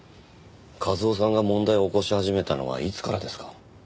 一雄さんが問題を起こし始めたのはいつからですか？